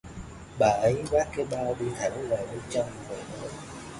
bà ấy vác cái bao đi thẳng vào bên trong và nói